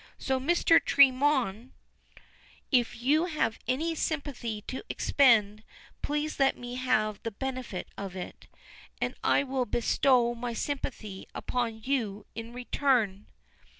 So, Mr. Tremorne, if you have any sympathy to expend, please let me have the benefit of it, and I will bestow my sympathy upon you in return."